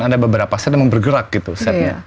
ada beberapa set yang bergerak gitu setnya